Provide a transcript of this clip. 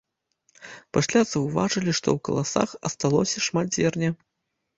Пасля заўважылі, што ў каласах асталося шмат зерня.